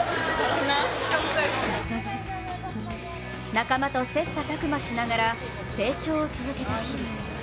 仲間と切磋琢磨しながら成長を続けた日々。